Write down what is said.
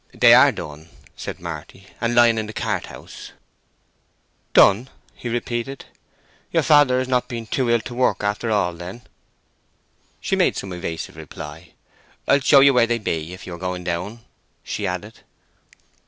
"They are done," said Marty, "and lying in the cart house." "Done!" he repeated. "Your father has not been too ill to work after all, then?" She made some evasive reply. "I'll show you where they be, if you are going down," she added.